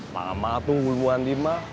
mama tuh ngubuh mandi sama kamu